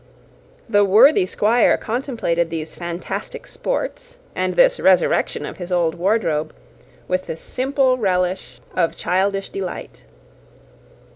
The worthy Squire contemplated these fantastic sports, and this resurrection of his old wardrobe, with the simple relish of childish delight.